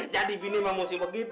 jadi bini emang mesti begitu